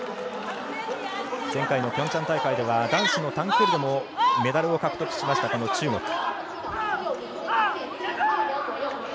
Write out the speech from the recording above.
前回のピョンチャン大会では男子の短距離でもメダルを獲得しました中国。